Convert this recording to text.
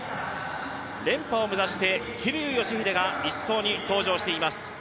連覇を目指して桐生祥秀が１走に登場しています。